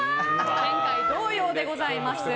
前回同様でございます。